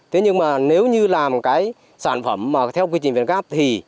thế nhưng mà nếu như làm cái sản phẩm mà theo quy trình việt gáp thì